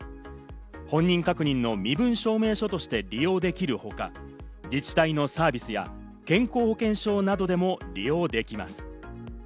本人確認の身分証明書として利用できるほか、自治体のサービスや健康保険証などでも利用できます。